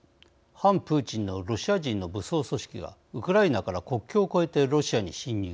反プーチンのロシア人の武装組織がウクライナから国境を越えてロシアに侵入。